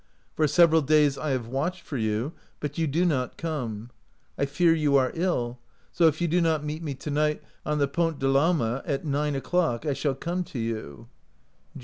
For several days I have watched for you, but you do not come. I fear you are ill, so if you do not meet me to night on the Pont de PAlma at nine o'clock, I shall come to you.